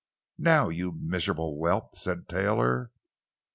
"Now, you miserable whelp!" said Taylor.